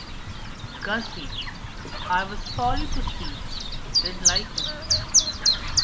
Gussie, I was sorry to see, didn't like him.